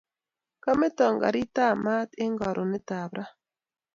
Kameto karitap mat eng karonetap ra